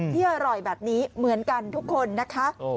ที่อร่อยแบบนี้เหมือนกันทุกคนนะคะ